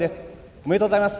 おめでとうございます。